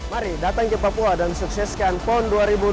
mari datang ke papua dan sukseskan pon dua ribu dua puluh